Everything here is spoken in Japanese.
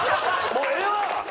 もうええわ！